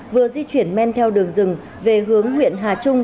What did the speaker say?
vừa di chuyển men theo đường rừng về hướng huyện hà trung